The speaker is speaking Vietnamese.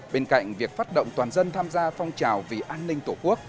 bên cạnh việc phát động toàn dân tham gia phong trào vì an ninh tổ quốc